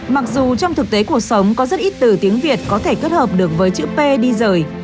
mặc dù trong thực tế cuộc sống có rất ít từ tiếng việt có thể kết hợp được với chữ p đi rời